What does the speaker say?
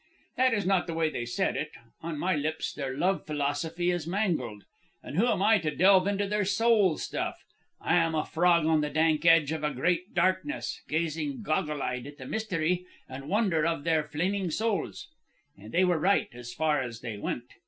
"That is not the way they said it. On my lips their love philosophy is mangled. And who am I to delve into their soul stuff? I am a frog, on the dank edge of a great darkness, gazing goggle eyed at the mystery and wonder of their flaming souls. "And they were right, as far as they went.